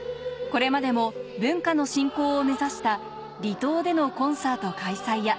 これまでも文化の振興を目指した離島でのコンサート開催や